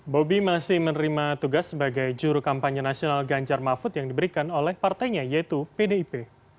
bobi masih menerima tugas sebagai juru kampanye nasional ganjar mahfud yang diberikan oleh partainya yaitu pdip